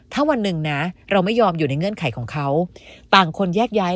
ถ้าวันหนึ่งนะเราไม่ยอมอยู่ในเงื่อนไขของเขาต่างคนแยกย้าย